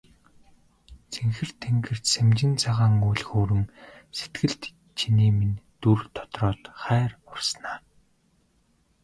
Цэнхэр тэнгэрт сэмжин цагаан үүл хөврөн сэтгэлд чиний минь дүр тодроод хайр урсана.